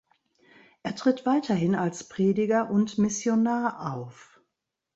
Er tritt weiterhin als Prediger und Missionar auf.